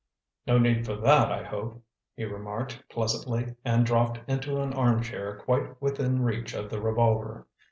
"No need for that, I hope," he remarked pleasantly, and dropped into an armchair quite within reach of the revolver.